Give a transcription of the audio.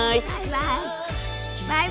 バイバイ。